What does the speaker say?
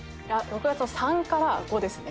６月の３から５ですね。